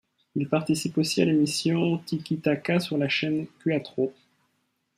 Il participe aussi à l'émission Tiki Taka sur la chaîne Cuatro.